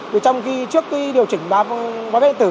trong khi trước điều chỉnh bán vé lệnh tử